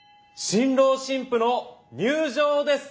新郎新婦の入場です。